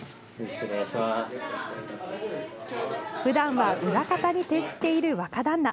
普段は裏方に徹している若旦那。